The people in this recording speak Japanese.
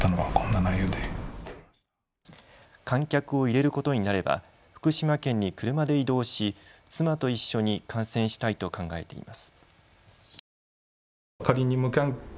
観客を入れることになれば福島県に車で移動し妻と一緒に観戦したいと考えています。